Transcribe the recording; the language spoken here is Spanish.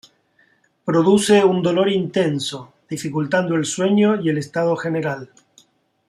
Produce un dolor intenso, dificultando el sueño y el estado general.